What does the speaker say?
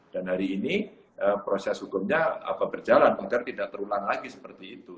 dan hari ini proses hukumnya berjalan agar tidak terulang lagi seperti itu